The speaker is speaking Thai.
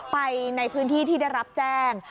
ไปในพื้นที่ที่ได้รับแจ้ง